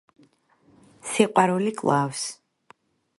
სიყვარული კლავს